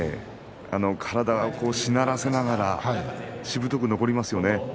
体をしならせながらしぶとく残りますよね。